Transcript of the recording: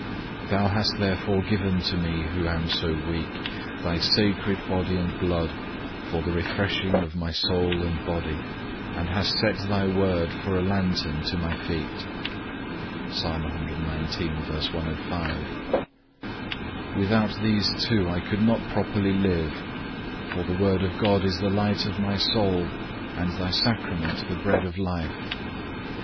Thou hast therefore given to me who am so weak, Thy sacred Body and Blood, for the refreshing of my soul and body, and hast set Thy Word for a lantern to my feet.(3) Without these two I could not properly live; for the Word of God is the light of my soul, and Thy Sacrament the bread of life.